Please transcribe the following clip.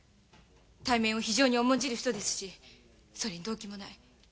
体面を非常に重んじる人ですしそれに動機もない。